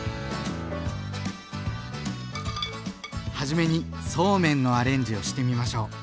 はじめにそうめんのアレンジをしてみましょう。